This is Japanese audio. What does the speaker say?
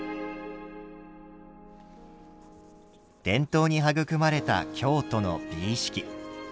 伝統に育まれた京都の美意識。